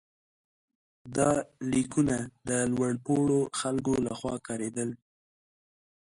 دا لیکونه د لوړ پوړو خلکو لخوا کارېدل.